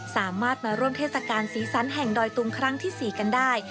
สามารถมาร่วมเทศกาลสีสันแห่งดอยตุงครั้งที่๔กันได้